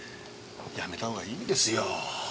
やめたほうがいいですよ。